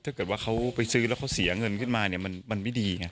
ถ้าเกิดว่าเขาไปซื้อแล้วเขาเสียเงินขึ้นมาเนี่ยมันไม่ดีไง